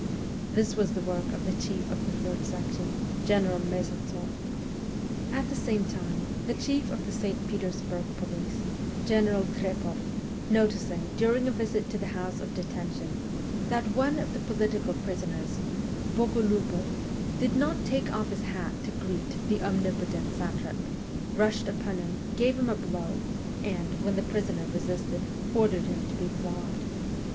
This was the work of the chief of the Third Section, General Mezentsoff. At the same time, the chief of the St. Petersburg 224: MEMOIRS OF A REVOLUTIONIST police, General Trepoff, noticing, during a visit to the house of detention, that one of the political prisoners, Bogoliiboff, did not take off his hat to greet the omnipotent satrap, rushed upon him, gave him a blow, and, when the prisoner resisted, ordered him to be flogged.